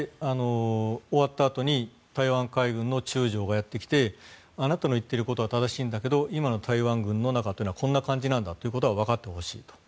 終わったあとに台湾海軍の中将がやってきてあなたの言っていることは正しいんだけど今の台湾軍の中というのはこんな感じなんだということはわかってほしいと。